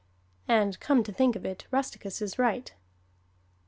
And come to think of it Rusticus is right.